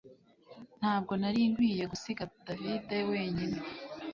Ntabwo nari nkwiye gusiga David wenyine